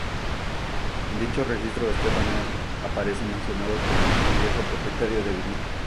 En dicho registro, Stefan Engl aparece mencionado como un viejo propietario de viñedos.